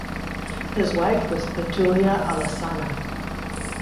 His wife was Pitolua Alesana.